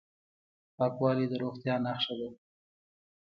پاکوالی د روغتیا نښه ده.